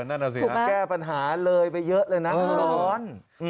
นั่นน่ะสิฮะแก้ปัญหาเลยไปเยอะเลยนะร้อน